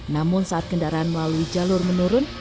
namun saat kendaraan melalui jalur menurun